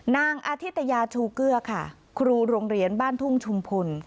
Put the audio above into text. นางอธิตยาชูเกลือค่ะครูโรงเรียนบ้านทุ่งชุมพล